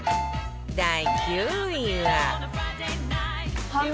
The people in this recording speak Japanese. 第９位は